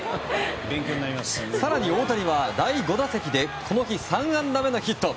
更に、大谷は第５打席でこの日、３安打目のヒット。